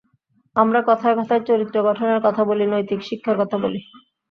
আমরা কথায় কথায় চরিত্র গঠনের কথা বলি, নৈতিক শিক্ষার কথা বলি।